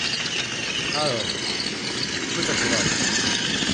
Wszyscy aż nazbyt dobrze znamy uciążliwości związane z ruchem drogowym